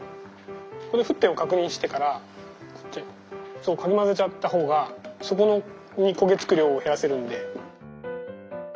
ここで沸点を確認してからこうやってかきまぜちゃった方が底に焦げつく量を減らせるんで。